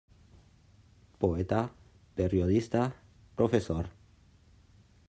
Poeta, periodista, profesor.